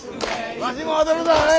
わしも踊るぞ！